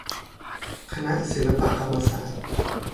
คณะศิลปกรรมศาสตร์